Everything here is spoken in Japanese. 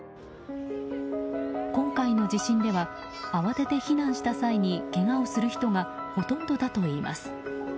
今回の地震では慌てて避難した際にけがをする人がほとんどだと言います。